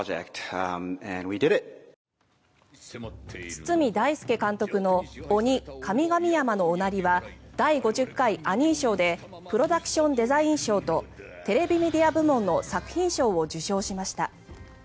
堤大介監督の「ＯＮＩ神々山のおなり」は第５０回アニー賞でプロダクションデザイン賞とテレビメディア部門の作品賞を受賞しました。